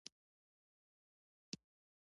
افغانستان له کلتور ډک دی.